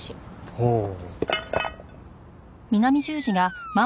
ほう。